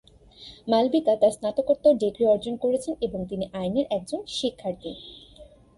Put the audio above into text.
মালবিকা তার স্নাতকোত্তর ডিগ্রি অর্জন করছেন এবং তিনি আইনের একজন শিক্ষার্থী।